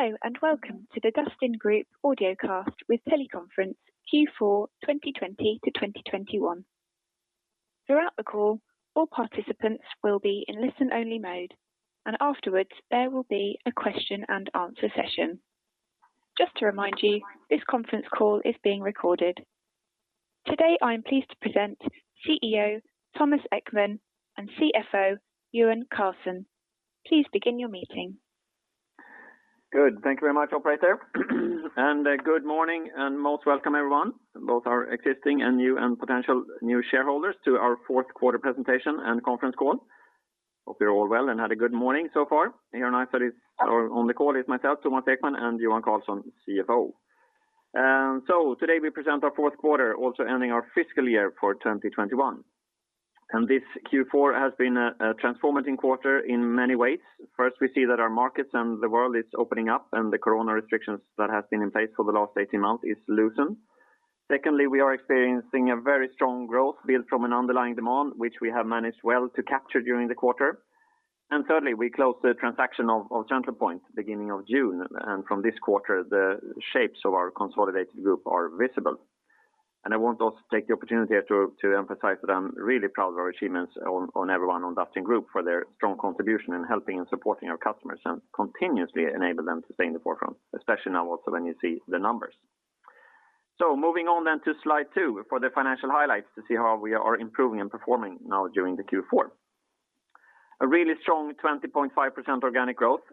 Hello, and welcome to the Dustin Group Audiocast with Teleconference Q4 2020 to 2021. Today, I am pleased to present CEO Thomas Ekman and CFO Johan Karlsson. Good. Thank you very much operator. Good morning, and most welcome everyone, both our existing and potential new shareholders to our Fourth Quarter Presentation and Conference Call. Hope you're all well and had a good morning so far. Here on the call is me, Thomas Ekman, and Johan Karlsson, CFO. Today we present our fourth quarter also ending our fiscal year for 2021. This Q4 has been a transforming quarter in many ways. First, we see that our markets and the world is opening up, and the corona restrictions that have been in place for the last 18 months is loosened. Secondly, we are experiencing a very strong growth built from an underlying demand, which we have managed well to capture during the quarter. Thirdly, we closed the transaction of Centralpoint beginning of June, and from this quarter the shapes of our consolidated group are visible. I want also to take the opportunity here to emphasize that I'm really proud of our achievements on everyone on Dustin Group for their strong contribution in helping and supporting our customers and continuously enable them to stay in the forefront, especially now also when you see the numbers. Moving on then to slide two for the financial highlights to see how we are improving and performing now during the Q4. A really strong 20.5% organic growth,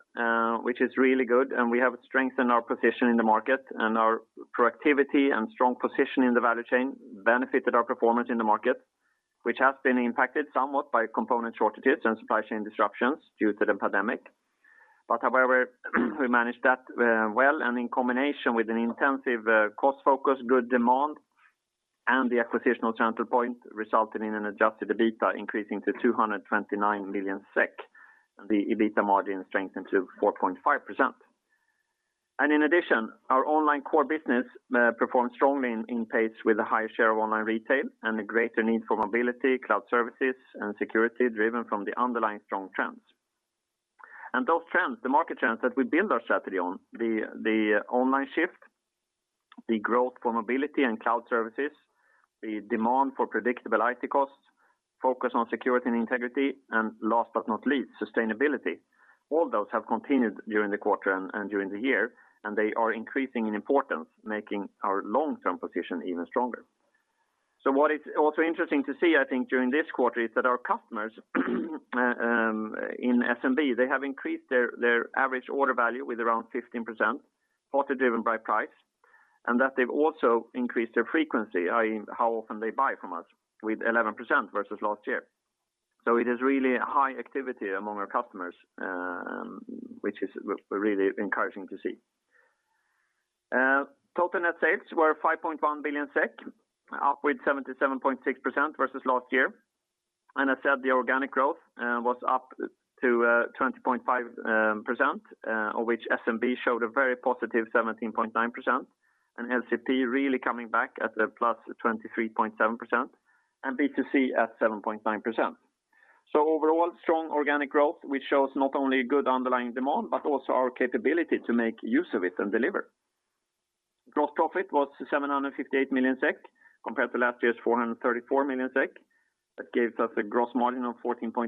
which is really good, and we have strengthened our position in the market and our productivity and strong position in the value chain benefited our performance in the market, which has been impacted somewhat by component shortages and supply chain disruptions due to the pandemic. However, we managed that well, and in combination with an intensive cost focus, good demand, and the acquisition of Centralpoint resulted in an adjusted EBITDA increasing to 229 million SEK, and the EBITDA margin strengthened to 4.5%. In addition, our online core business performed strongly in pace with a higher share of online retail and a greater need for mobility, cloud services, and security driven from the underlying strong trends. Those trends, the market trends that we build our strategy on, the online shift, the growth for mobility and cloud services, the demand for predictable IT costs, focus on security and integrity, and last but not least, sustainability. All those have continued during the quarter and during the year, and they are increasing in importance, making our long-term position even stronger. What is also interesting to see, I think, during this quarter is that our customers in SMB, they have increased their average order value with around 15%, partly driven by price, and that they've also increased their frequency, i.e., how often they buy from us with 11% versus last year. It is really high activity among our customers, which is really encouraging to see. Total net sales were 5.1 billion SEK, up with 77.6% versus last year. I said the organic growth was up to 20.5%, of which SMB showed a very positive 17.9%, and LCP really coming back at a +23.7%, and B2C at 7.9%. Overall, strong organic growth, which shows not only good underlying demand, but also our capability to make use of it and deliver. Gross profit was 758 million SEK compared to last year's 434 million SEK. That gave us a gross margin of 14.8%,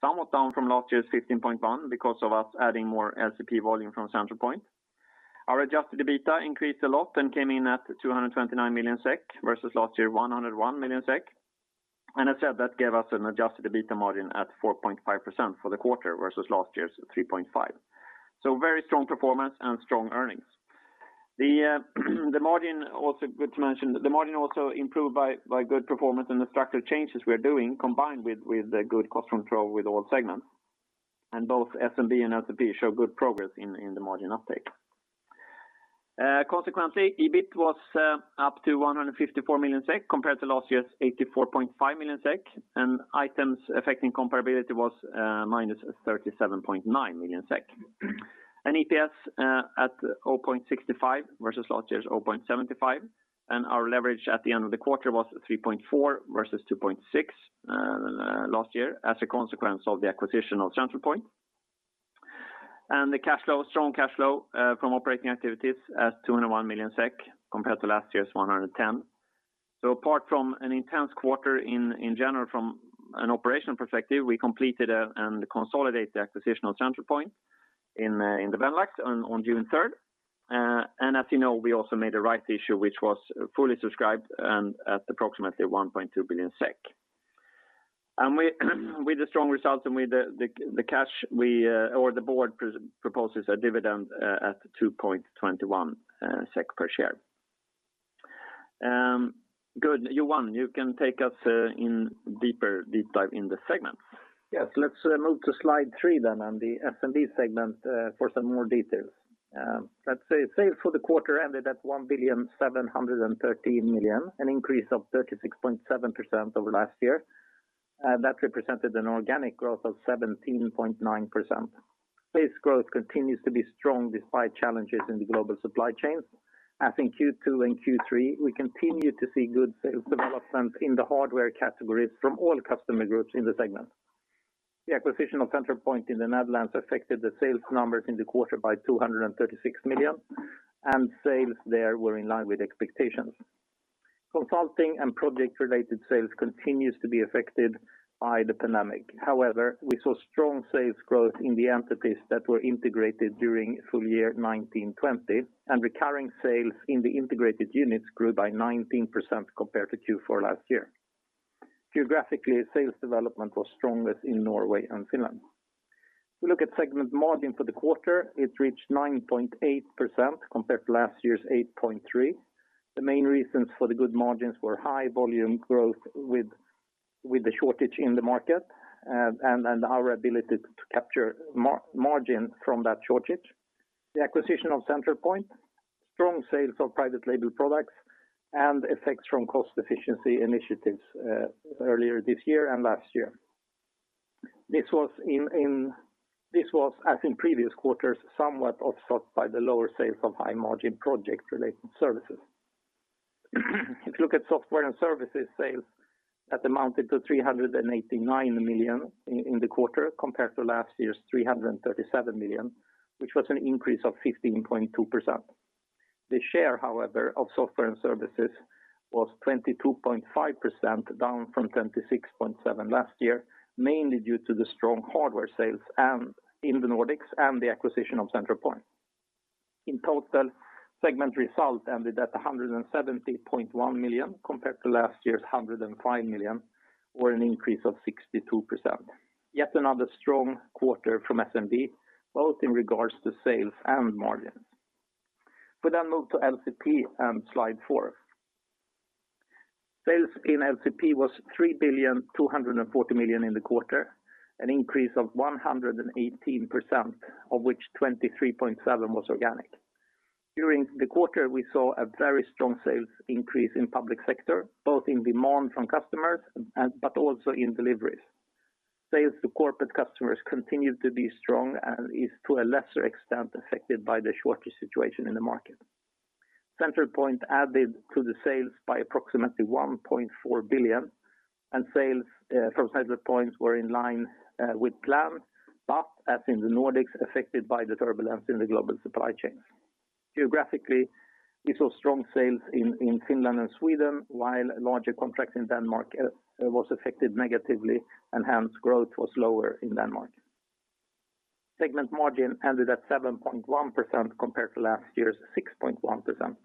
somewhat down from last year's 15.1% because of us adding more LCP volume from Centralpoint. Our adjusted EBITDA increased a lot and came in at 229 million SEK versus last year, 101 million SEK. As said, that gave us an adjusted EBITDA margin at 4.5% for the quarter versus last year's 3.5%. Very strong performance and strong earnings. The margin also improved by good performance in the structural changes we are doing, combined with the good cost control with all segments. Both SMB and LCP show good progress in the margin uptake. Consequently, EBIT was up to 154 million SEK compared to last year's 84.5 million SEK. Items affecting comparability was -37.9 million SEK. EPS at 0.65 versus last year's 0.75. Our leverage at the end of the quarter was 3.4 versus 2.6 last year as a consequence of the acquisition of Centralpoint. The strong cash flow from operating activities at 201 million SEK compared to last year's 110. Apart from an intense quarter in general from an operational perspective, we completed and consolidated the acquisition of Centralpoint in the Benelux on June 3rd. As you know, we also made a rights issue, which was fully subscribed and at approximately 1.2 billion SEK. With the strong results and with the cash, the board proposes a dividend at 2.21 SEK per share. Good. Johan, you can take us in deeper dive in the segment. Let's move to slide three on the SMB segment for some more details. Sales for the quarter ended at 1,713 million, an increase of 36.7% over last year. That represented an organic growth of 17.9%. Sales growth continues to be strong despite challenges in the global supply chains. As in Q2 and Q3, we continue to see good sales development in the hardware categories from all customer groups in the segment. The acquisition of Centralpoint in the Netherlands affected the sales numbers in the quarter by 236 million, and sales there were in line with expectations. Consulting and project-related sales continues to be affected by the pandemic. However, we saw strong sales growth in the entities that were integrated during full year 2019-2020, and recurring sales in the integrated units grew by 19% compared to Q4 last year. Geographically, sales development was strongest in Norway and Finland. If we look at segment margin for the quarter, it reached 9.8% compared to last year's 8.3%. The main reasons for the good margins were high volume growth with the shortage in the market and our ability to capture margin from that shortage, the acquisition of Centralpoint, strong sales of private label products, and effects from cost efficiency initiatives earlier this year and last year. This was, as in previous quarters, somewhat offset by the lower sales of high-margin project-related services. If you look at software and services sales, that amounted to 389 million in the quarter, compared to last year's 337 million, which was an increase of 15.2%. The share, however, of software and services was 22.5%, down from 26.7% last year, mainly due to the strong hardware sales in the Nordics and the acquisition of Centralpoint. In total, segment results ended at 170.1 million, compared to last year's 105 million, or an increase of 62%. Yet another strong quarter from SMB, both in regards to sales and margins. We move to LCP and slide four. Sales in LCP was 3 billion, 240 million in the quarter, an increase of 118%, of which 23.7% was organic. During the quarter, we saw a very strong sales increase in public sector, both in demand from customers but also in deliveries. Sales to corporate customers continued to be strong and is, to a lesser extent, affected by the shortage situation in the market. Centralpoint added to the sales by approximately 1.4 billion, and sales from Centralpoint were in line with plan, but as in the Nordics, affected by the turbulence in the global supply chains. Geographically, we saw strong sales in Finland and Sweden, while a larger contract in Denmark was affected negatively, and hence growth was lower in Denmark. Segment margin ended at 7.1% compared to last year's 6.1%.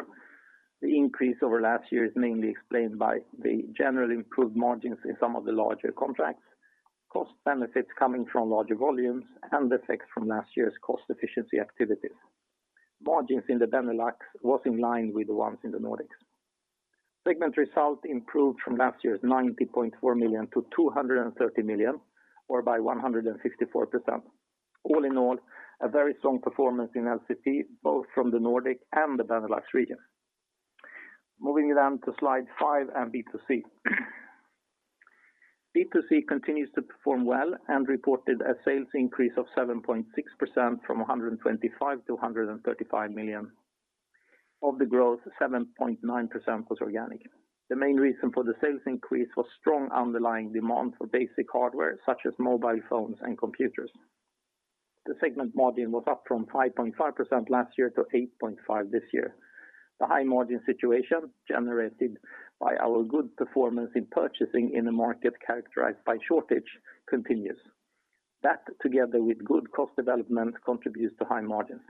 The increase over last year is mainly explained by the general improved margins in some of the larger contracts, cost benefits coming from larger volumes, and effects from last year's cost efficiency activities. Margins in the Benelux was in line with the ones in the Nordics. Segment results improved from last year's 90.4 million to 230 million, or by 154%. All in all, a very strong performance in LCP, both from the Nordic and the Benelux region. Moving to slide five and B2C. B2C continues to perform well and reported a sales increase of 7.6% from 125 million to 135 million. Of the growth, 7.9% was organic. The main reason for the sales increase was strong underlying demand for basic hardware, such as mobile phones and computers. The segment margin was up from 5.5% last year to 8.5% this year. The high margin situation generated by our good performance in purchasing in a market characterized by shortage continues. That, together with good cost development, contributes to high margins.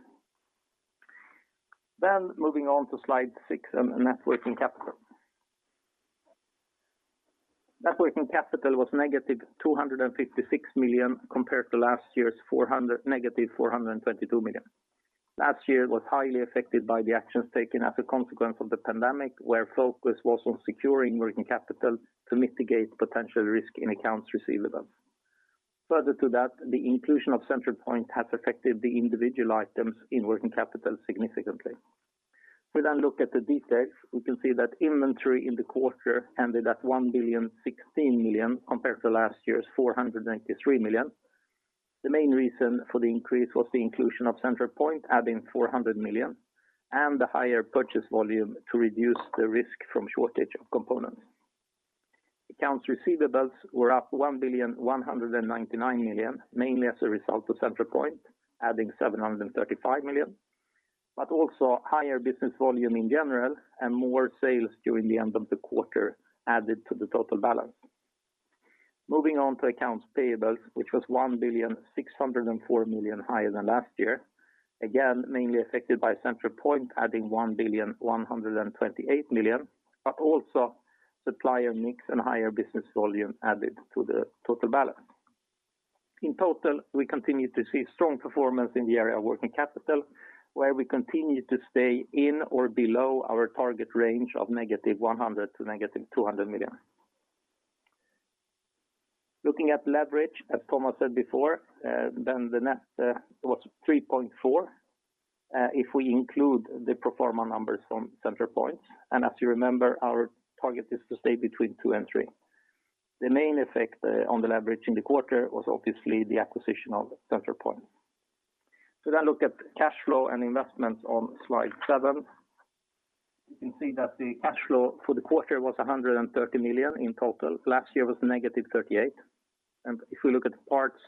Moving on to slide six, net working capital. Net working capital was -256 million compared to last year's -422 million. Last year was highly affected by the actions taken as a consequence of the pandemic, where focus was on securing working capital to mitigate potential risk in accounts receivable. Further to that, the inclusion of Centralpoint has affected the individual items in working capital significantly. If we then look at the details, we can see that inventory in the quarter ended at 1,016 million compared to last year's 493 million. The main reason for the increase was the inclusion of Centralpoint adding 400 million and the higher purchase volume to reduce the risk from shortage of components. Accounts receivables were up 1,199 million, mainly as a result of Centralpoint adding 735 million, but also higher business volume in general and more sales during the end of the quarter added to the total balance. Moving on to accounts payables, which was 1,604 million higher than last year, again, mainly affected by Centralpoint adding 1,128 million, but also supplier mix and higher business volume added to the total balance. In total, we continue to see strong performance in the area of working capital, where we continue to stay in or below our target range of -100 million to -200 million. Looking at leverage, as Thomas said before, then the net was 3.4 if we include the pro forma numbers from Centralpoint. As you remember, our target is to stay between two and three. The main effect on the leverage in the quarter was obviously the acquisition of Centralpoint. Look at cash flow and investments on slide seven. You can see that the cash flow for the quarter was 130 million in total. Last year was -38. If we look at the parts,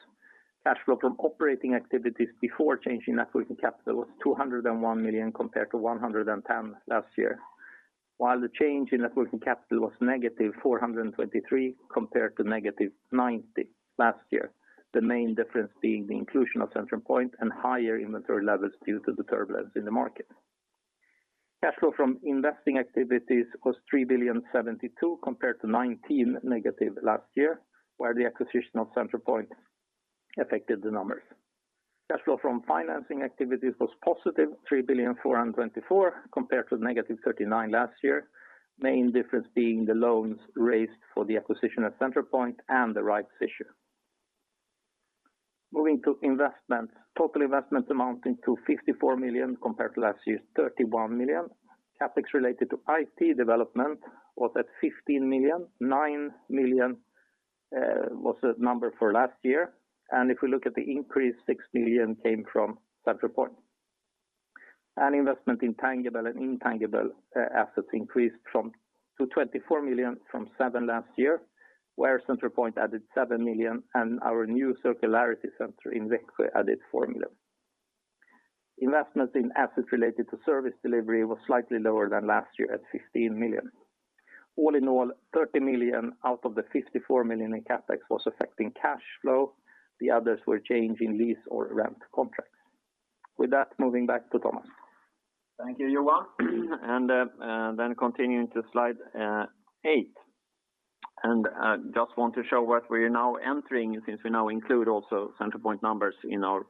cash flow from operating activities before changing networking capital was 201 million compared to 110 last year. While the change in networking capital was -423 compared to -90 last year. The main difference being the inclusion of Centralpoint and higher inventory levels due to the turbulence in the market. Cash flow from investing activities was 3.72 billion compared to -19 last year, where the acquisition of Centralpoint affected the numbers. Cash flow from financing activities was +3.424 Billion compared to -39 last year. Main difference being the loans raised for the acquisition of Centralpoint and the rights issue. Moving to investments. Total investment amounting to 54 million compared to last year's 31 million. CapEx related to IT development was at 15 million. 9 million was the number for last year. If we look at the increase, 6 million came from Centralpoint. Investment in tangible and intangible assets increased to 24 million from 7 last year, where Centralpoint added 7 million and our new Takeback Centre in Växjö added 4 million. Investments in assets related to service delivery was slightly lower than last year at 15 million. All in all, 30 million out of the 54 million in CapEx was affecting cash flow. The others were change in lease or rent contracts. With that, moving back to Thomas. Thank you, Johan. Continuing to slide eight. Just want to show what we are now entering since we now include also Centralpoint numbers in our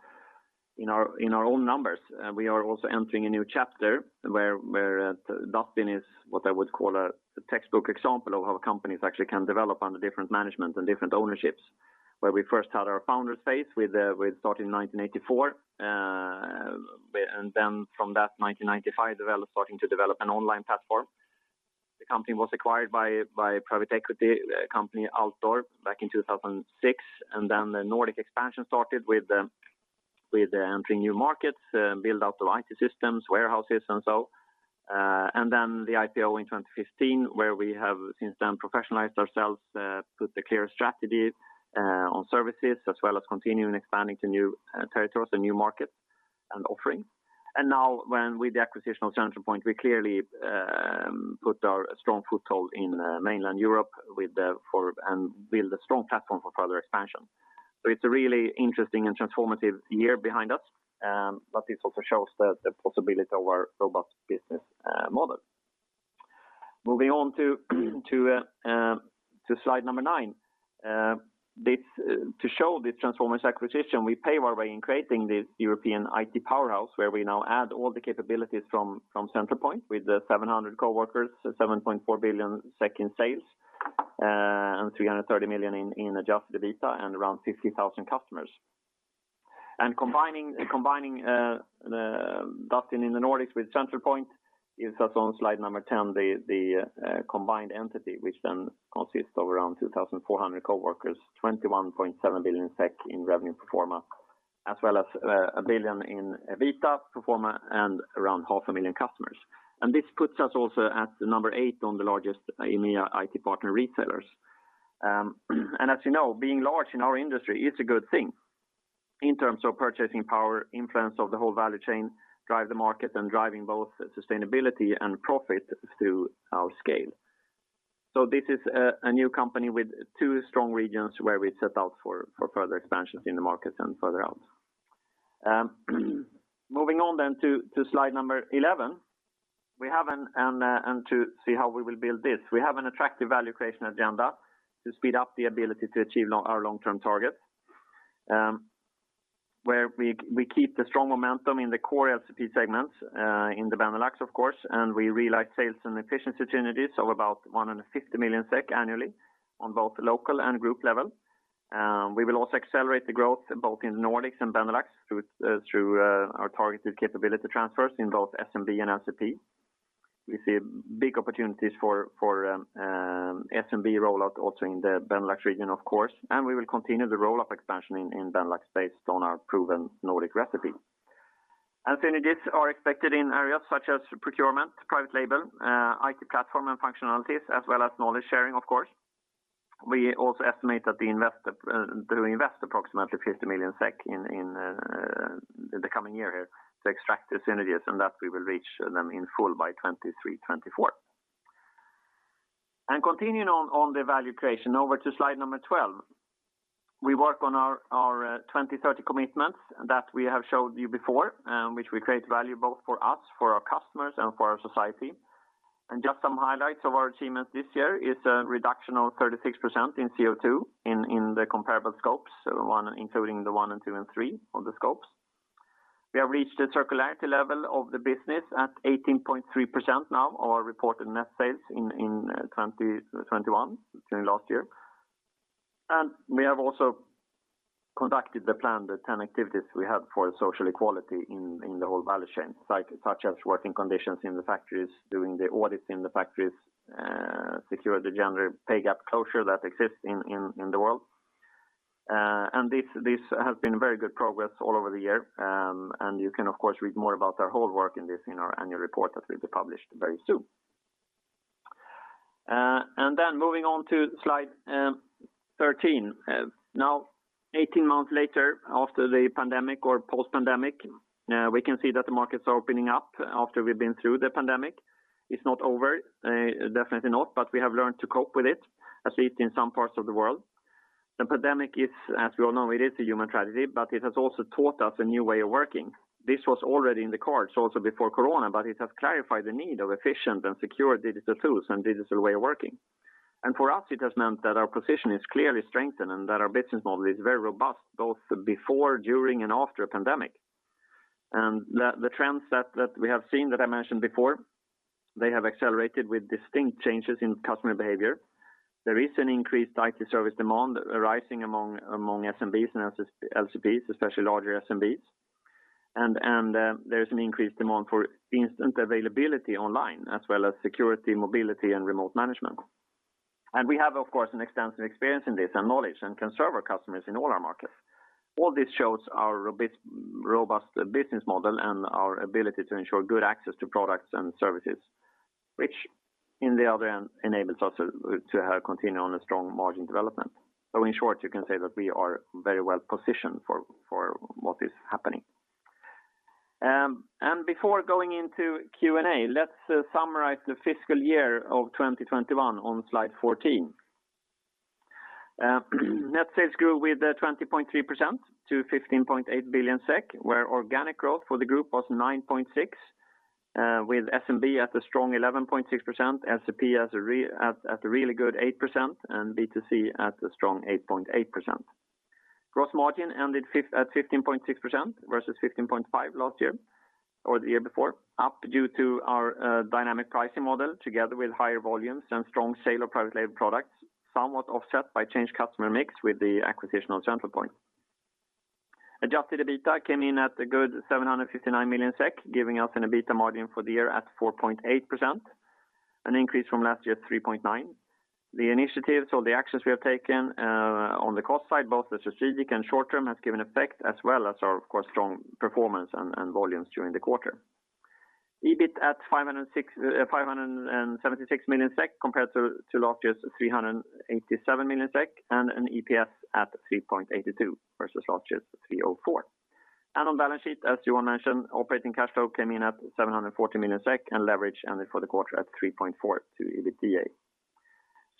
own numbers. We are also entering a new chapter where Dustin is what I would call a textbook example of how companies actually can develop under different management and different ownerships. Where we first had our founder phase, we started in 1984. From that 1995, starting to develop an online platform. The company was acquired by private equity company Altor back in 2006. The Nordic expansion started with entering new markets, build out of IT systems, warehouses, and so on. The IPO in 2015, where we have since then professionalized ourselves, put a clear strategy on services, as well as continuing expanding to new territories and new markets and offering. Now with the acquisition of Centralpoint, we clearly put our strong foothold in mainland Europe and build a strong platform for further expansion. It's a really interesting and transformative year behind us. This also shows the possibility of our robust business model. Moving on to slide number nine. To show the transformative acquisition, we pave our way in creating this European IT powerhouse where we now add all the capabilities from Centralpoint with the 700 coworkers, 7.4 billion in sales, and 330 million in adjusted EBITDA and around 50,000 customers. Combining Dustin in the Nordics with Centralpoint is as on slide number 10, the combined entity, which then consists of around 2,400 coworkers, 21.7 billion SEK in revenue pro forma, as well as 1 billion in EBITDA pro forma and around 500,000 customers. This puts us also at the number 8 on the largest EMEA IT partner retailers. As you know, being large in our industry is a good thing in terms of purchasing power, influence of the whole value chain, drive the market, and driving both sustainability and profit through our scale. This is a new company with two strong regions where we set out for further expansions in the market and further out. Moving on to slide number 11. To see how we will build this. We have an attractive value creation agenda to speed up the ability to achieve our long-term targets, where we keep the strong momentum in the core LCP segments in the Benelux, of course, and we realize sales and efficiency synergies of about 150 million SEK annually on both local and group level. We will also accelerate the growth both in Nordics and Benelux through our targeted capability transfers in both SMB and LCP. We see big opportunities for SMB rollout also in the Benelux region, of course, we will continue the roll-up expansion in Benelux based on our proven Nordic recipe. Synergies are expected in areas such as procurement, private label, IT platform and functionalities, as well as knowledge sharing, of course. We also estimate that we invest approximately 50 million SEK in the coming year here to extract the synergies, and that we will reach them in full by 2023, 2024. Continuing on the value creation, over to slide number 12. We work on our 2030 commitments that we have showed you before, which will create value both for us, for our customers, and for our society. Just some highlights of our achievements this year is a reduction of 36% in CO2 in the comparable scopes, including the one and two and three of the scopes. We have reached the circularity level of the business at 18.3% now, our reported net sales in 2021, during last year. We have also conducted the plan, the 10 activities we had for social equality in the whole value chain. Such as working conditions in the factories, doing the audits in the factories, secure the gender pay gap closure that exists in the world. This has been very good progress all over the year. You can, of course, read more about our whole work in this in our annual report that will be published very soon. Then moving on to slide 13. Now, 18 months later, after the pandemic or post-pandemic, we can see that the markets are opening up after we've been through the pandemic. It's not over, definitely not, but we have learned to cope with it, at least in some parts of the world. The pandemic, as we all know, it is a human tragedy, but it has also taught us a new way of working. This was already in the cards also before Corona, but it has clarified the need of efficient and secure digital tools and digital way of working. For us, it has meant that our position is clearly strengthened and that our business model is very robust, both before, during, and after a pandemic. The trends that we have seen that I mentioned before, they have accelerated with distinct changes in customer behavior. There is an increased IT service demand arising among SMBs and LCPs, especially larger SMBs. There is an increased demand for instant availability online, as well as security, mobility, and remote management. We have, of course, an extensive experience in this and knowledge and can serve our customers in all our markets. All this shows our robust business model and our ability to ensure good access to products and services, which in the other end enables us to continue on a strong margin development. In short, you can say that we are very well positioned for what is happening. Before going into Q&A, let's summarize the fiscal year of 2021 on slide 14. Net sales grew with 20.3% to 15.8 billion SEK, where organic growth for the group was 9.6%, with SMB at a strong 11.6%, LCP at a really good 8%, and B2C at a strong 8.8%. Gross margin ended at 15.6% versus 15.5% last year or the year before, up due to our dynamic pricing model together with higher volumes and strong sale of private label products, somewhat offset by change customer mix with the acquisition of Centralpoint. Adjusted EBITDA came in at a good 759 million SEK, giving us an EBITDA margin for the year at 4.8%, an increase from last year's 3.9%. The initiatives or the actions we have taken on the cost side, both the strategic and short term, has given effect as well as our, of course, strong performance and volumes during the quarter. EBIT at 576 million SEK compared to last year's 387 million SEK and an EPS at 3.82 versus last year's 3.04. On balance sheet, as Johan mentioned, operating cash flow came in at 740 million SEK and leverage ended for the quarter at 3.4 to EBITDA.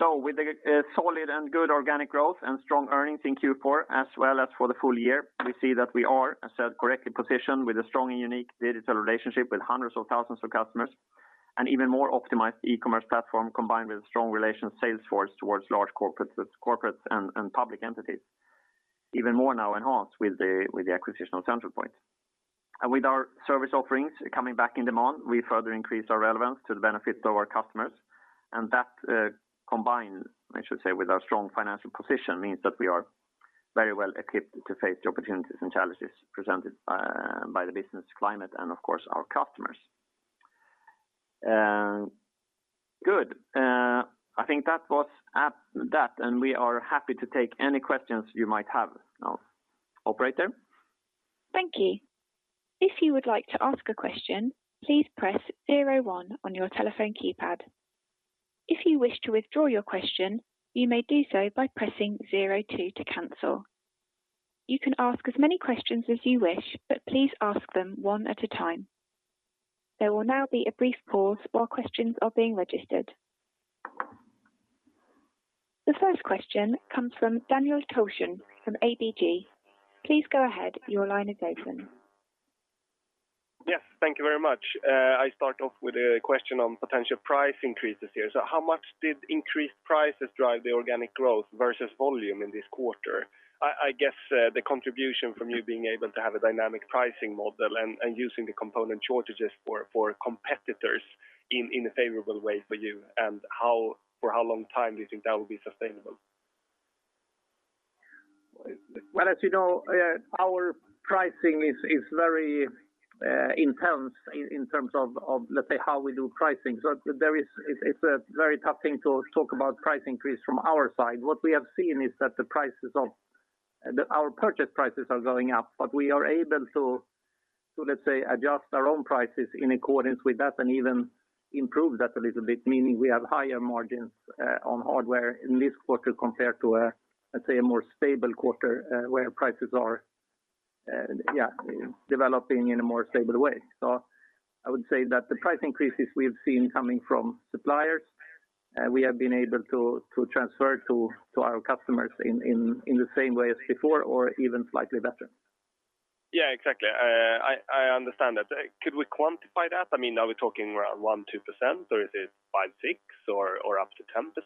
With the solid and good organic growth and strong earnings in Q4 as well as for the full year, we see that we are, as said, correctly positioned with a strong and unique digital relationship with hundreds of thousands of customers. Even more optimized e-commerce platform combined with strong relations sales force towards large corporates and public entities. Even more now enhanced with the acquisition of Centralpoint. With our service offerings coming back in demand, we further increase our relevance to the benefit of our customers. That combined, I should say, with our strong financial position means that we are very well equipped to face the opportunities and challenges presented by the business climate and, of course, our customers. Good. I think that was that, and we are happy to take any questions you might have now. Operator? Thank you. If you would like to ask a question, please press one on your telephone keypad. If you wish to withdraw your question, you may do so by pressing two to cancel. You can ask as many questions as you wish, but please ask them 1 at a time. There will now be a brief pause while questions are being registered. The first question comes from Daniel Thorsson from ABG. Please go ahead. Your line is open. Yes, thank you very much. I start off with a question on potential price increases here. How much did increased prices drive the organic growth versus volume in this quarter? I guess the contribution from you being able to have a dynamic pricing model and using the component shortages for competitors in a favorable way for you, and for how long time do you think that will be sustainable? Well, as you know, our pricing is very intense in terms of how we do pricing. It's a very tough thing to talk about price increase from our side. What we have seen is that our purchase prices are going up, but we are able to adjust our own prices in accordance with that and even improve that a little bit, meaning we have higher margins on hardware in this quarter compared to a more stable quarter where prices are developing in a more stable way. I would say that the price increases we have seen coming from suppliers, we have been able to transfer to our customers in the same way as before or even slightly better. Yeah, exactly. I understand that. Could we quantify that? Are we talking around 1%-2%, or is it 5%-6%, or up to 10%?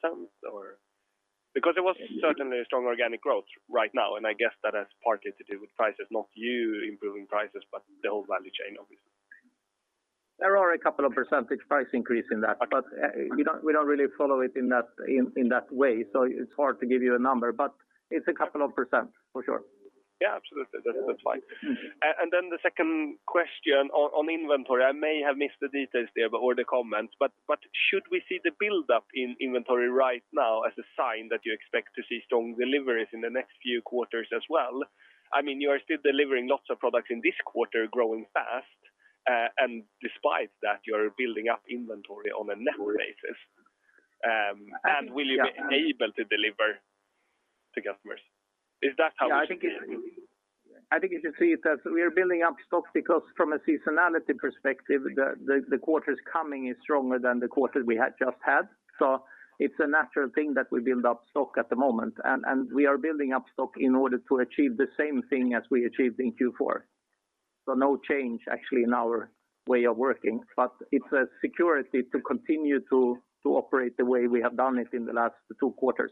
It was certainly a strong organic growth right now, and I guess that has partly to do with prices, not you improving prices, but the whole value chain, obviously. There are a couple of percentage price increase in that, but we don't really follow it in that way. It's hard to give you a number, but it's a couple of percent, for sure. Yeah, absolutely. That's fine. The second question on inventory, I may have missed the details there or the comments, but should we see the buildup in inventory right now as a sign that you expect to see strong deliveries in the next few quarters as well? You are still delivering lots of products in this quarter growing fast, and despite that, you're building up inventory on a net basis. Will you be able to deliver to customers? Is that how it should be? I think you should see it as we are building up stock because from a seasonality perspective, the quarter coming is stronger than the quarter we had just had. It's a natural thing that we build up stock at the moment, and we are building up stock in order to achieve the same thing as we achieved in Q4. No change actually in our way of working, but it's a security to continue to operate the way we have done it in the last two quarters.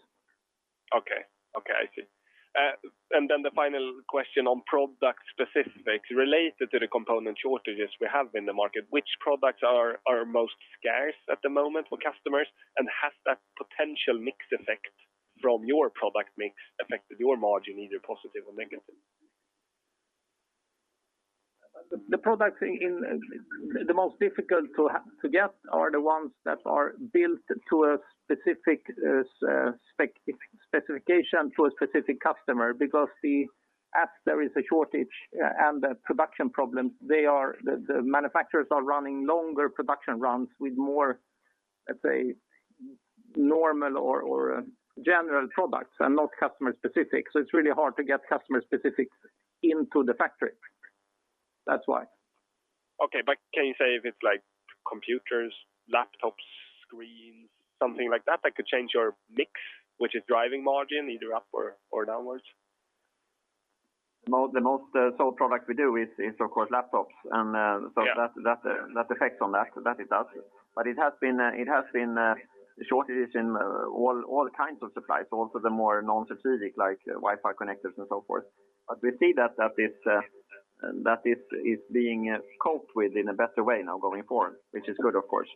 Okay. I see. The final question on product specifics related to the component shortages we have in the market. Which products are most scarce at the moment for customers? Has that potential mix effect from your product mix affected your margin, either positive or negative? The most difficult to get are the ones that are built to a specific specification to a specific customer, because as there is a shortage and the production problems, the manufacturers are running longer production runs with more, let's say, normal or general products and not customer specific. It's really hard to get customer specific into the factory. That's why. Okay. Can you say if it's computers, laptops, screens, something like that could change your mix, which is driving margin either up or downwards? The most sold product we do is of course laptops. Yeah. That affects on that. That it does. It has been shortages in all kinds of supplies, also the more non-strategic like Wi-Fi connectors and so forth. We see that it's being coped with in a better way now going forward, which is good of course.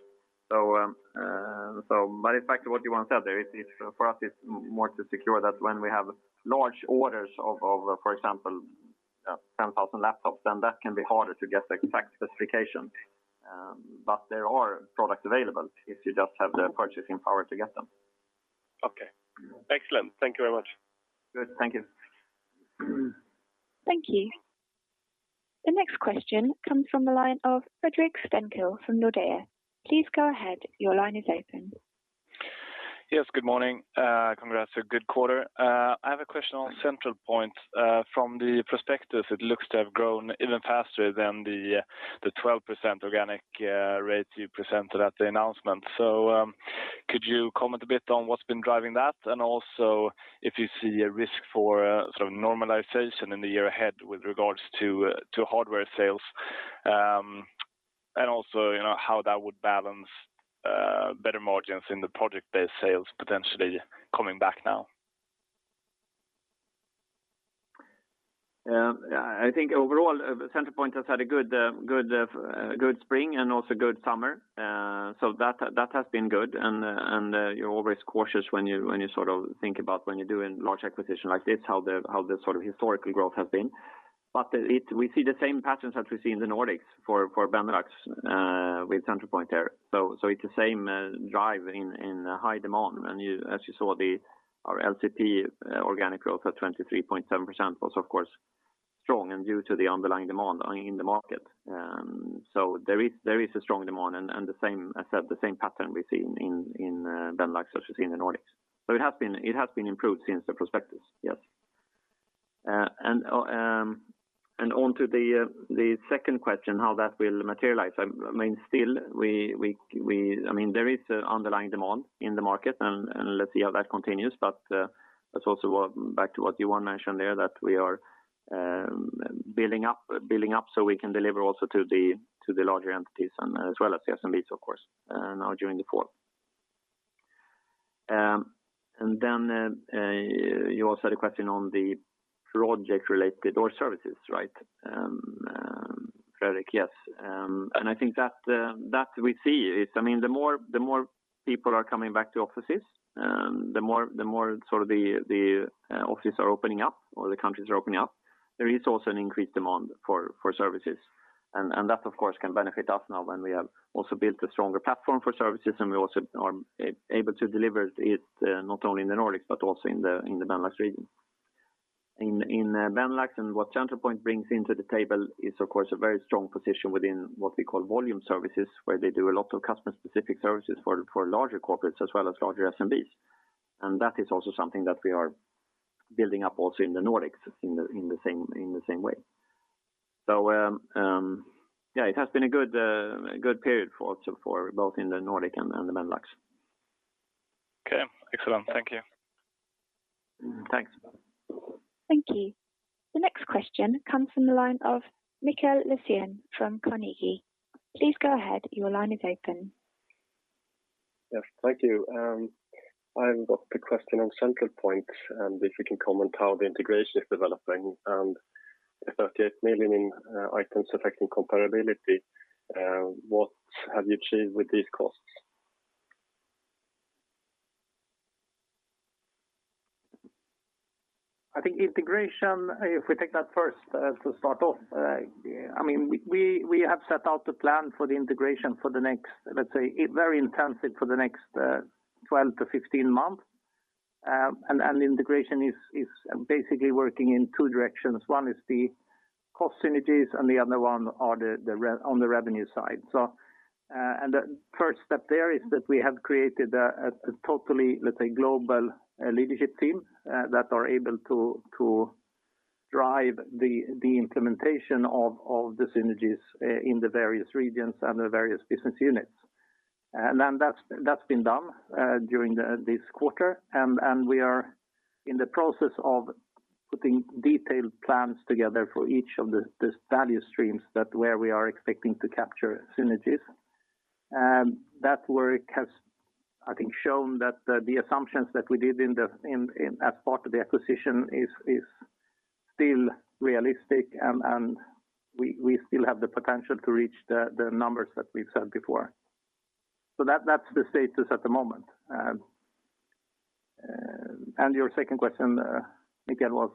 In fact what Johan said there, for us it's more to secure that when we have large orders of, for example, 10,000 laptops, then that can be harder to get the exact specifications. There are products available if you just have the purchasing power to get them. Okay. Excellent. Thank you very much. Good. Thank you. Thank you. The next question comes from the line of Fredrik Stenkil from Nordea. Please go ahead. Your line is open. Yes, good morning. Congrats on a good quarter. I have a question on Centralpoint. From the prospectus, it looks to have grown even faster than the 12% organic rate you presented at the announcement. Could you comment a bit on what's been driving that? Also if you see a risk for sort of normalization in the year ahead with regards to hardware sales and also how that would balance better margins in the project-based sales potentially coming back now? I think overall, Centralpoint has had a good spring and also good summer. That has been good and you're always cautious when you think about when you're doing large acquisition like this, how the sort of historical growth has been. We see the same patterns that we see in the Nordics for Benelux with Centralpoint there. It's the same drive in high demand. As you saw, our LCP organic growth at 23.7% was of course strong and due to the underlying demand in the market. There is a strong demand and as I said, the same pattern we see in Benelux as we see in the Nordics. It has been improved since the prospectus. Yes. Onto the second question, how that will materialize. There is underlying demand in the market, and let's see how that continues. That's also back to what Johan mentioned there, that we are building up so we can deliver also to the larger entities as well as the SMBs, of course, now during the fall. Then you also had a question on the project related or services, right, Fredrik? Yes. I think that we see it. The more people are coming back to offices, the more sort of the offices are opening up or the countries are opening up. There is also an increased demand for services. That of course, can benefit us now when we have also built a stronger platform for services, and we also are able to deliver it not only in the Nordics but also in the Benelux region. In Benelux and what Centralpoint brings into the table is of course a very strong position within what we call volume services, where they do a lot of customer specific services for larger corporates as well as larger SMBs. That is also something that we are building up also in the Nordics in the same way. Yeah, it has been a good period for both in the Nordic and the Benelux. Okay. Excellent. Thank you. Thanks. Thank you. The next question comes from the line of Mikael Laséen from Carnegie. Please go ahead. Your line is open. Yes. Thank you. I've got the question on Centralpoint, and if you can comment how the integration is developing and the 38 million in items affecting comparability, what have you achieved with these costs? I think integration, if we take that first to start off. We have set out the plan for the integration for the next, let's say, very intensive for the next 12-15 months. Integration is basically working in two directions. One is the cost synergies and the other one on the revenue side. The first step there is that we have created a totally global leadership team that are able to drive the implementation of the synergies in the various regions and the various business units. That's been done during this quarter. We are in the process of putting detailed plans together for each of the value streams where we are expecting to capture synergies. That work has, I think, shown that the assumptions that we did as part of the acquisition is still realistic, and we still have the potential to reach the numbers that we've said before. That's the status at the moment. Your second question again was?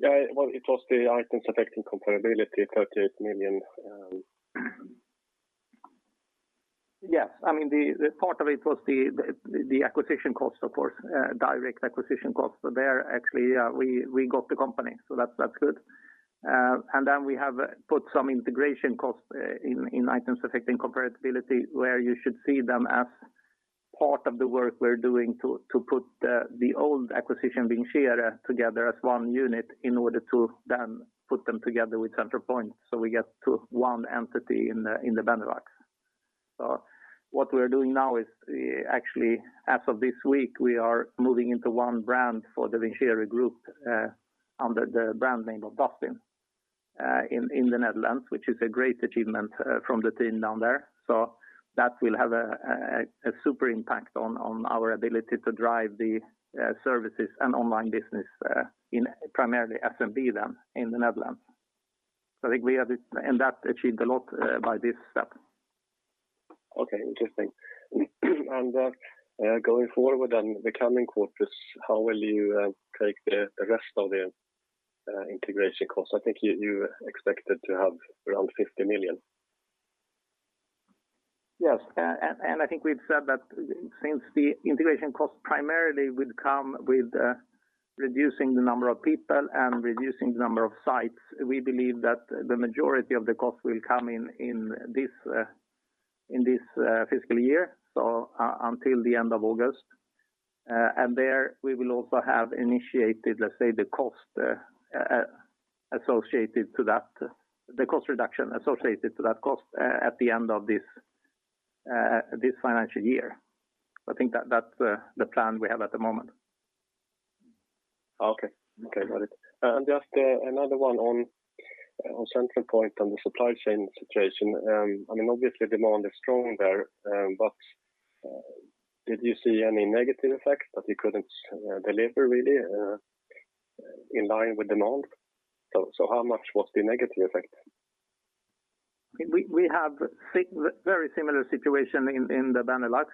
Yeah, it was the items affecting comparability, 38 million. Yes. Part of it was the acquisition cost, of course, direct acquisition cost. There, actually, we got the company, so that's good. We have put some integration costs in items affecting comparability, where you should see them as part of the work we're doing to put the old acquisition, Vincere, together as one unit in order to then put them together with Centralpoint so we get to one entity in the Benelux. What we're doing now is actually, as of this week, we are moving into one brand for the Vincere Groep under the brand name of Dustin in the Netherlands, which is a great achievement from the team down there. That will have a super impact on our ability to drive the services and online business in primarily SMB then in the Netherlands. I think we have, in that, achieved a lot by this step. Okay. Interesting. Going forward, the coming quarters, how will you take the rest of the integration costs? I think you expected to have around 50 million. Yes. I think we've said that since the integration costs primarily would come with reducing the number of people and reducing the number of sites, we believe that the majority of the costs will come in this fiscal year, so until the end of August. There we will also have initiated, let's say, the cost reduction associated to that cost at the end of this financial year. I think that's the plan we have at the moment. Okay. Got it. Just another one on Centralpoint on the supply chain situation. Obviously demand is strong there, but did you see any negative effects that you couldn't deliver really in line with demand? How much was the negative effect? We have very similar situation in the Benelux.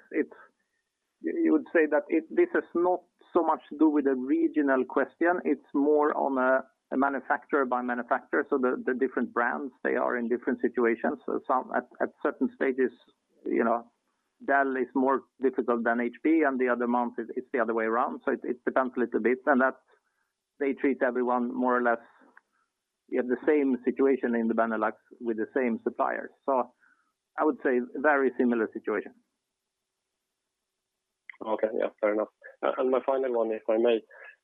You would say that this has not so much to do with the regional question, it's more on a manufacturer by manufacturer. The different brands, they are in different situations. Some at certain stages, Dell is more difficult than HP, the other month it's the other way around. It depends a little bit. They treat everyone more or less in the same situation in the Benelux with the same suppliers. I would say very similar situation. Okay. Yeah, fair enough. My final one, if I may,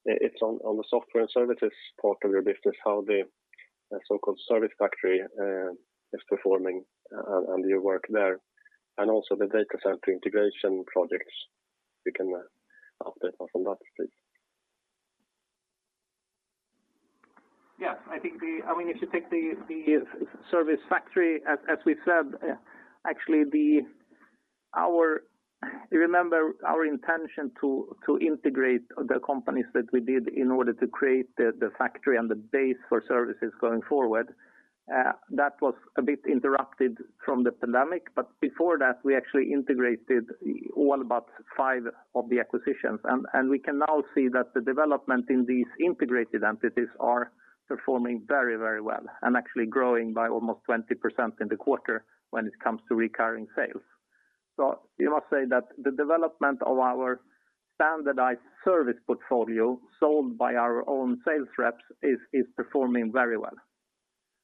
it's on the software and services part of your business, how the so-called service factory is performing and your work there, and also the data center integration projects, if you can update us on that, please. If you take the service factory, as we said, actually, remember our intention to integrate the companies that we did in order to create the factory and the base for services going forward. That was a bit interrupted from the pandemic, but before that, we actually integrated all but five of the acquisitions. We can now see that the development in these integrated entities are performing very well and actually growing by almost 20% in the quarter when it comes to recurring sales. You must say that the development of our standardized service portfolio sold by our own sales reps is performing very well.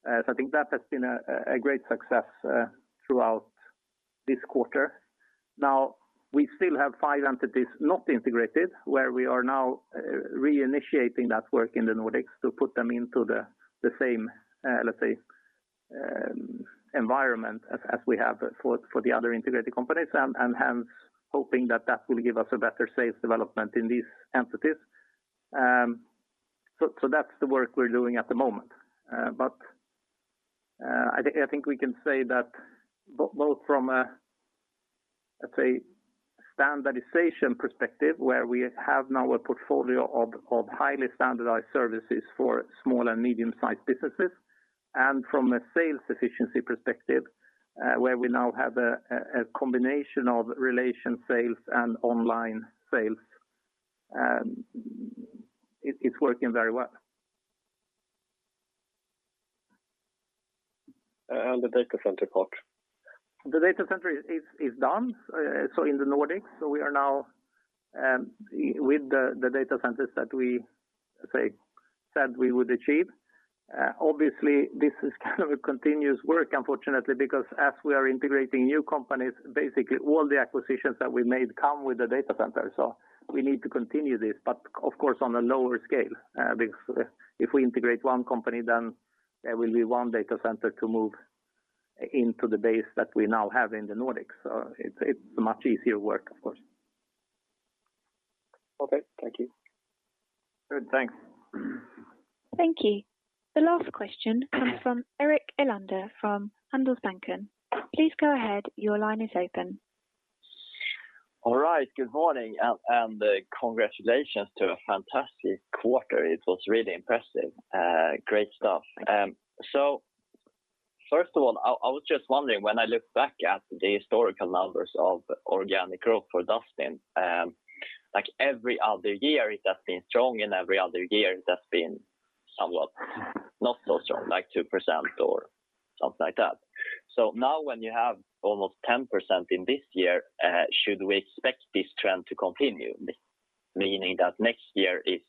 I think that has been a great success throughout this quarter. Now, we still have five entities not integrated, where we are now reinitiating that work in the Nordics to put them into the same environment as we have for the other integrated companies, and hence hoping that that will give us a better sales development in these entities. That's the work we're doing at the moment. I think we can say that both from a standardization perspective, where we have now a portfolio of highly standardized services for small and medium-sized businesses, and from a sales efficiency perspective, where we now have a combination of relation sales and online sales. It's working very well. The data center part? The data center is done in the Nordics. We are now with the data centers that we said we would achieve. Obviously, this is continuous work, unfortunately, because as we are integrating new companies, basically all the acquisitions that we made come with the data center. We need to continue this, but of course, on a lower scale. Because if we integrate one company, then there will be one data center to move into the base that we now have in the Nordics. It's much easier work, of course. Okay, thank you. Good. Thanks. Thank you. The last question comes from Erik Elander from Handelsbanken. Please go ahead. Your line is open. All right. Good morning, and congratulations to a fantastic quarter. It was really impressive. Great stuff. First of all, I was just wondering, when I look back at the historical numbers of organic growth for Dustin, every other year it has been strong, and every other year it has been somewhat not so strong, like 2% or something like that. Now when you have almost 10% in this year, should we expect this trend to continue, meaning that next year is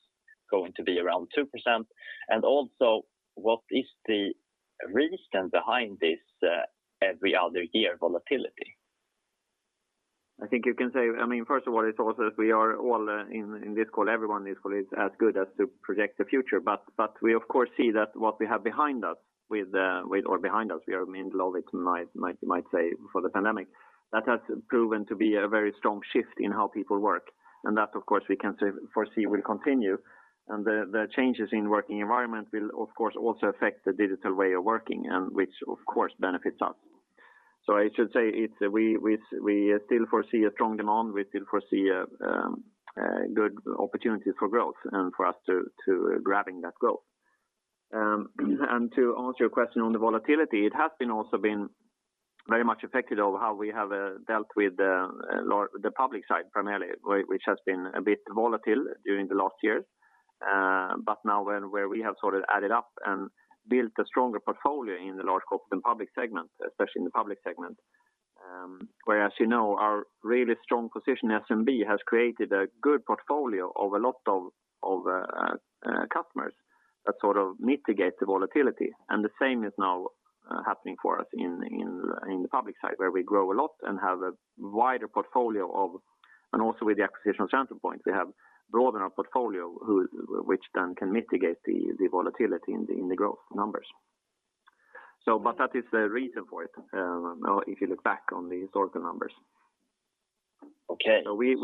going to be around 2%? Also, what is the reason behind this every other year volatility? First of all, everyone in this call is as good as to project the future. We of course see that what we have behind us, we are in the middle of it you might say, before the pandemic. That has proven to be a very strong shift in how people work. That of course we can foresee will continue. The changes in working environment will of course also affect the digital way of working and which of course benefits us. I should say, we still foresee a strong demand. We still foresee good opportunities for growth and for us grabbing that growth. To answer your question on the volatility, it has also been very much affected over how we have dealt with the public side primarily, which has been a bit volatile during the last years. Now where we have sort of added up and built a stronger portfolio in the Large Corporate and Public segment, especially in the public segment, whereas you know, our really strong position in SMB has created a good portfolio of a lot of customers that sort of mitigate the volatility. The same is now happening for us in the public side, where we grow a lot and have a wider portfolio. Also, with the acquisition of Centralpoint, we have broadened our portfolio, which then can mitigate the volatility in the growth numbers. That is the reason for it if you look back on the historical numbers. Okay. We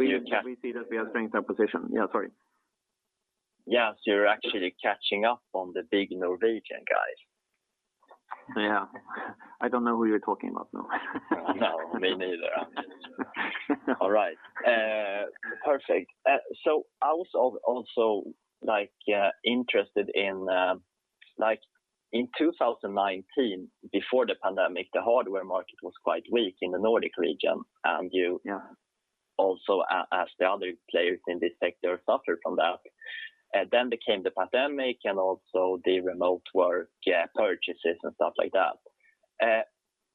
see that we are strengthening our position. Yeah, sorry. Yeah. You're actually catching up on the big Norwegian guys. Yeah. I don't know who you're talking about now. No, me neither. All right. Perfect. I was also interested in 2019, before the pandemic, the hardware market was quite weak in the Nordic region. Yeah. You also, as the other players in this sector, suffered from that. Came the pandemic and also the remote work purchases and stuff like that.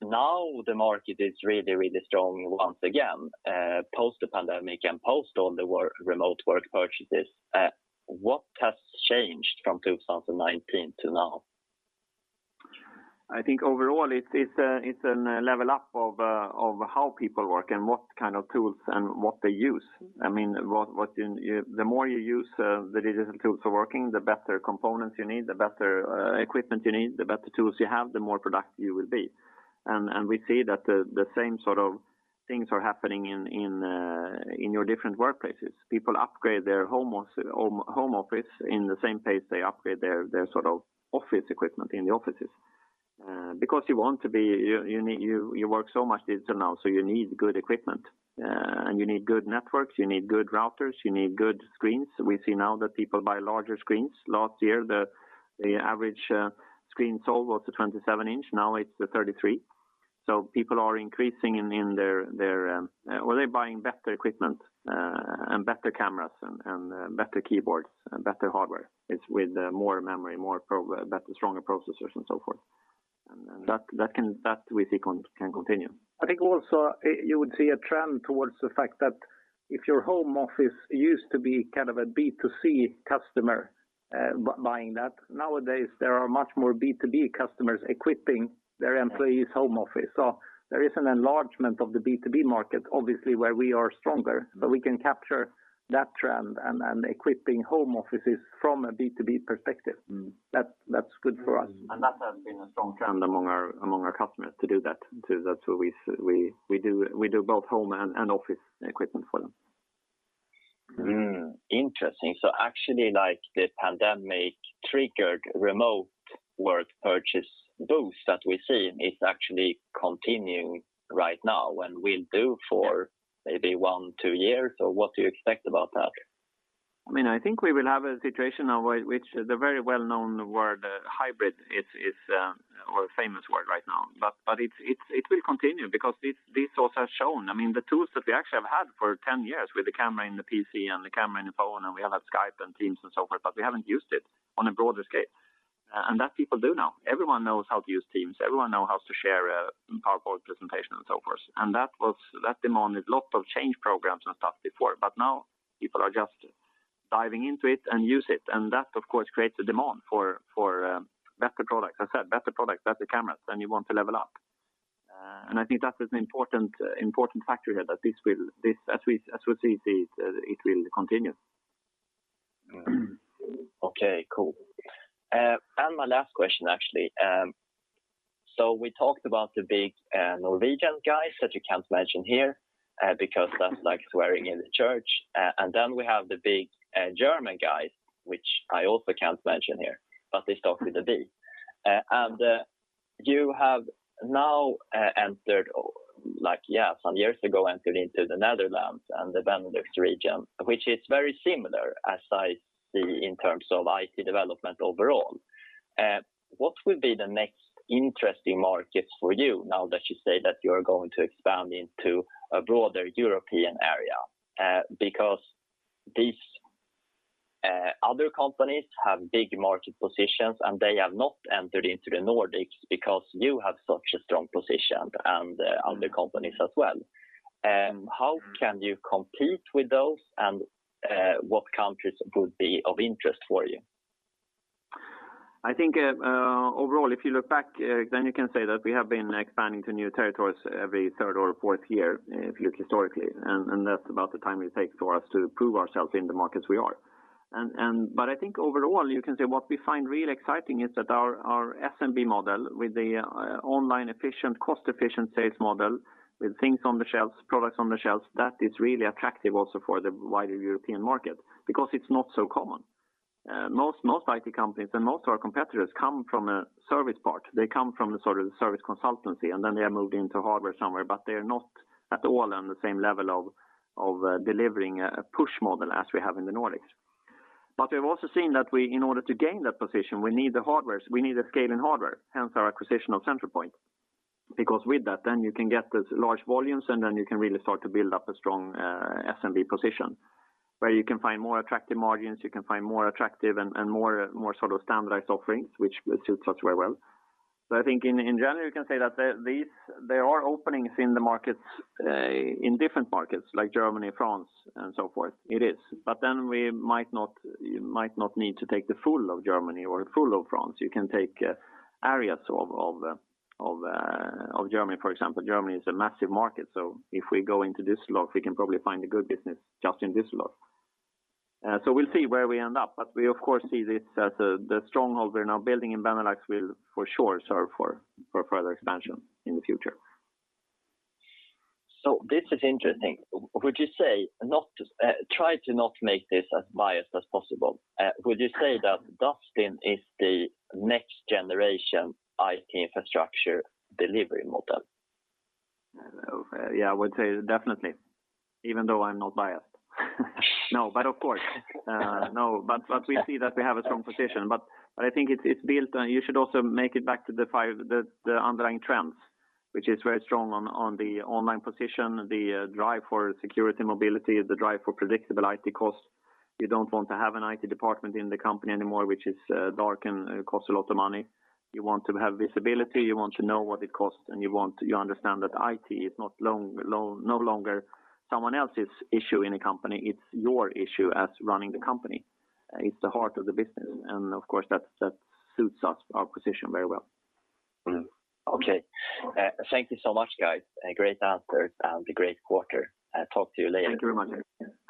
Now the market is really strong once again, post the pandemic and post all the remote work purchases. What has changed from 2019 to now? I think overall it's a level up of how people work and what kind of tools they use. The more you use the digital tools for working, the better components you need, the better equipment you need, the better tools you have, the more productive you will be. We see that the same sort of things are happening in their different workplaces. People upgrade their home office in the same pace they upgrade their office equipment in the offices. You work so much digital now, so you need good equipment and you need good networks, you need good routers, you need good screens. We see now that people buy larger screens. Last year, the average screen sold was the 27 inch. Now it's the 33 inch. People are buying better equipment, better cameras, better keyboards, and better hardware with more memory, stronger processors, and so forth. That we think can continue. I think also you would see a trend towards the fact that if your home office used to be a B2C customer buying that, nowadays there are much more B2B customers equipping their employees' home office. There is an enlargement of the B2B market, obviously where we are stronger. We can capture that trend and equipping home offices from a B2B perspective. That's good for us. That has been a strong trend among our customers to do that too. We do both home and office equipment for them. Interesting. Actually, the pandemic triggered remote work purchase boost that we're seeing is actually continuing right now and will do for maybe one, two years, or what do you expect about that? I think we will have a situation now which the very well-known word hybrid is a famous word right now. It will continue because these tools have shown. The tools that we actually have had for 10 years with the camera and the PC and the camera and the phone, and we have Skype and Teams and so forth, but we haven't used it on a broader scale. That people do now. Everyone knows how to use Teams. Everyone knows how to share a PowerPoint presentation and so forth. That demanded lots of change programs and stuff before, but now people are just diving into it and use it, and that, of course, creates a demand for better products. As I said, better products, better cameras, you want to level up. I think that is an important factor here, that as we see, it will continue. Okay, cool. My last question, actually. We talked about the big Norwegian guys that you can't mention here because that's like swearing in the church. We have the big German guys, which I also can't mention here, but they start with a B. You have now entered, some years ago, entered into the Netherlands and the Benelux region, which is very similar as I see in terms of IT development overall. What will be the next interesting markets for you now that you say that you're going to expand into a broader European area? These other companies have big market positions, and they have not entered into the Nordics because you have such a strong position and other companies as well. How can you compete with those, and what countries would be of interest for you? I think, overall, if you look back, then you can say that we have been expanding to new territories every third or fourth year, if you look historically, and that's about the time it takes for us to prove ourselves in the markets we are. I think overall, you can say what we find really exciting is that our SMB model with the online cost-efficient sales model with products on the shelves, that is really attractive also for the wider European market because it's not so common. Most IT companies and most of our competitors come from a service part. They come from the service consultancy, and then they have moved into hardware somewhere, but they're not at all on the same level of delivering a push model as we have in the Nordics. We've also seen that in order to gain that position, we need the scale in hardware, hence our acquisition of Centralpoint. With that, then you can get those large volumes, and then you can really start to build up a strong SMB position where you can find more attractive margins, you can find more attractive and more standardized offerings, which suits us very well. I think in general; you can say that there are openings in different markets like Germany, France, and so forth. It is. We might not need to take the full of Germany or full of France. You can take areas of Germany, for example. Germany is a massive market, so if we go into Düsseldorf, we can probably find a good business just in Düsseldorf. We'll see where we end up, but we of course see this as the stronghold we're now building in Benelux will for sure serve for further expansion in the future. This is interesting. Try to not make this as biased as possible. Would you say that Dustin is the next generation IT infrastructure delivery model? I would say definitely, even though I'm not biased. Of course. We see that we have a strong position. I think you should also make it back to the underlying trends, which is very strong on the online position, the drive for security mobility, the drive for predictable IT costs. You don't want to have an IT department in the company anymore, which is dark and costs a lot of money. You want to have visibility, you want to know what it costs, and you understand that IT is no longer someone else's issue in a company, it's your issue as running the company. It's the heart of the business, and of course, that suits our position very well. Okay. Thank you so much, guys. Great answers and a great quarter. Talk to you later. Thank you very much.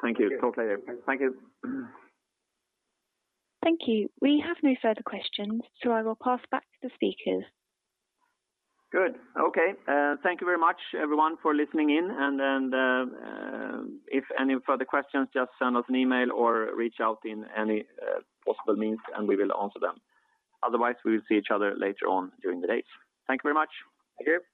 Thank you. Talk later. Thank you. Thank you. We have no further questions. I will pass back to the speakers. Good. Okay. Thank you very much, everyone, for listening in and if any further questions, just send us an email or reach out in any possible means, and we will answer them. Otherwise, we will see each other later on during the day. Thank you very much. Thank you.